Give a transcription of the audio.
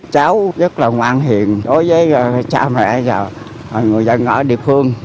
cháu rất là ngoan hiền đối với cha mẹ rồi còn người dân của địa phương